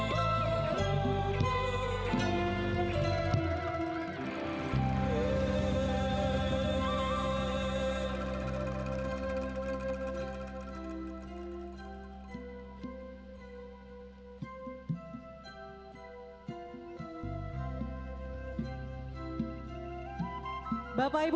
tanahku yang dulu padam